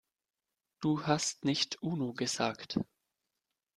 Du hast nicht Uno gesagt.